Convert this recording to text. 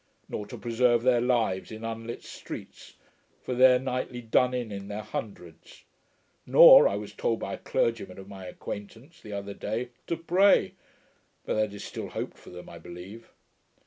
Nor to preserve their lives in unlit streets, for they are nightly done in in their hundreds. Nor, I was told by a clergyman of my acquaintance the other day, to pray (but that is still hoped for them, I believe).